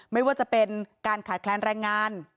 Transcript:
ไม่ว่าจะเป็นการขาดแคลนแรงงาน